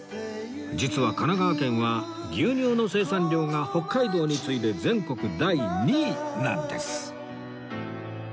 実は神奈川県は牛乳の生産量が北海道に次いで全国第２位なんです